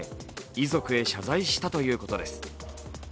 遺族へ謝罪したということです。